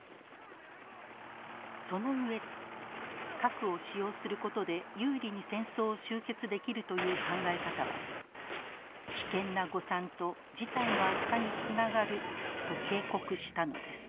その上で核を使用することで有利に戦争を終結できるという考え方は危険な誤算と事態の悪化につながると警告したのです。